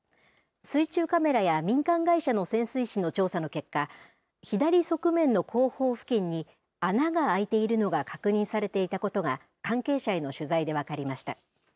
水中カメラや民間会社の潜水士の調査の結果、左側面の後方付近に、穴があいているのが確認されていたことが、関係者への取材で分かりました。